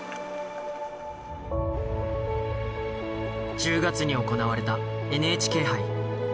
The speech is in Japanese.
１０月に行われたＮＨＫ杯。